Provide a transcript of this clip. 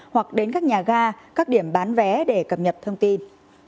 hoặc đến các nhà ga các điểm bán vé để cập nhật thông tin